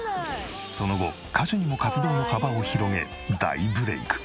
その後歌手にも活動の幅を広げ大ブレーク。